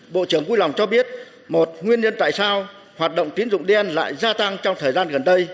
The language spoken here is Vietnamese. bộ trưởng quy lòng cho biết một nguyên nhân tại sao hoạt động tín dụng đen lại gia tăng trong thời gian gần đây